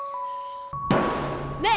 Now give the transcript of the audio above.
ねえ！